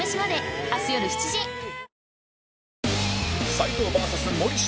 斎藤 ＶＳ 森下